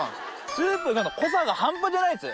スープの濃さが半端じゃないです。